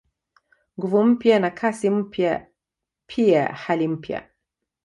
Nguvu mpya na Kasi mpya pia hali mpya